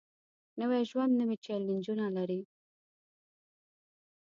نوی ژوند نوې چیلنجونه لري